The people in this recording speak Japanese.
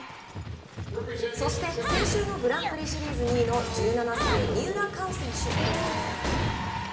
そして先週のグランプリシリーズ２位の１７歳、三浦佳生選手。